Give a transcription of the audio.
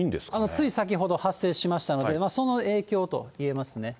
つい先ほど、発生しましたので、その影響といえますね。